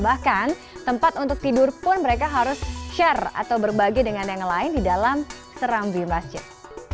bahkan tempat untuk tidur pun mereka harus share atau berbagi dengan yang lain di dalam serambi masjid